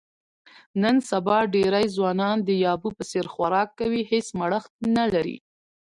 نن سبا ډېری ځوانان د یابو په څیر خوراک کوي، هېڅ مړښت نه لري.